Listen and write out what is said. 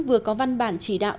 vừa có văn bản chỉ đạo